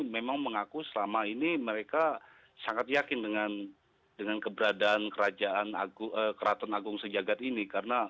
memang mengaku selama ini mereka sangat yakin dengan keberadaan keraton agung sejagat ini karena